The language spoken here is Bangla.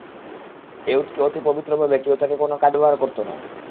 এ উটকে অতি পবিত্র ভেবে কেউ তাকে কোন কাজেই ব্যবহার করত না।